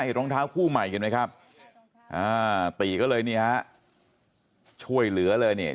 รองเท้าคู่ใหม่เห็นไหมครับอ่าตีก็เลยนี่ฮะช่วยเหลือเลยเนี่ย